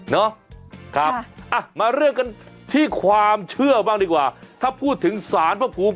เนาะครับอ่ะมาเรื่องกันที่ความเชื่อบ้างดีกว่าถ้าพูดถึงสารพระภูมิ